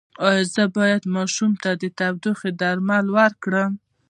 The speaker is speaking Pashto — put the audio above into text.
ایا زه باید ماشوم ته د ټوخي درمل ورکړم؟